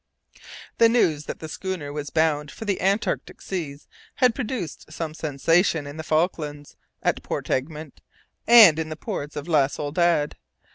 The news that the schooner was bound for the Antarctic seas had produced some sensation in the Falklands, at Port Egmont, and in the ports of La Soledad.